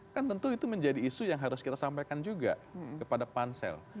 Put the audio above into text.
kan tentu itu menjadi isu yang harus kita sampaikan juga kepada pansel